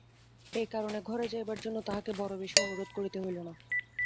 এই কারণে ঘরে যাইবার জন্য তাঁহাকে বড়ো বেশি অনুরোধ করিতে হইল না।